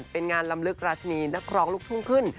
เป็นงานลำลึกราชนีนักร้องลูกทุ่งขึ้น